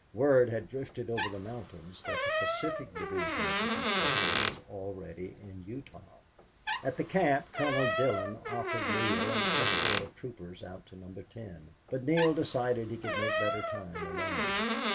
Word had drifted over the mountains that the Pacific division of the construction was already in Utah. At the camp Colonel Dillon offered Neale an escort of troopers out to Number Ten, but Neale decided he could make better time alone.